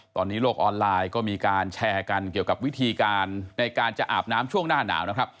ตอนนี้โลกออนไลน์ก็มีการแชร์กันเกี่ยวกับวิธีการในการจะอาบน้ำช่วงหน้าหนาวนะครับ